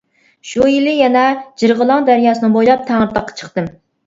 شۇ يىلى يەنە جىرغىلاڭ دەرياسىنى بويلاپ تەڭرىتاغقا چىقتىم.